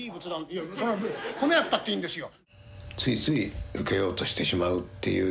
「いやそれは褒めなくたっていいんですよ」。